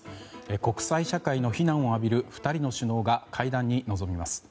国際社会の非難を浴びる２人の首脳が会談に臨みます。